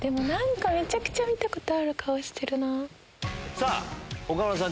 さぁ岡村さん